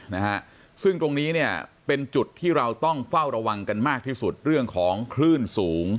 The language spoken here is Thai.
นะฮะซึ่งตรงนี้เนี่ยเป็นจุดที่เราต้องเฝ้าระวังกันมากที่สุดเรื่องของคลื่นสูง